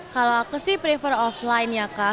kalau aku sih prefer offline ya kak